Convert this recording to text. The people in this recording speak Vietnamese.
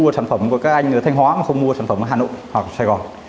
mua sản phẩm của các anh ở thanh hóa mà không mua sản phẩm ở hà nội hoặc sài gòn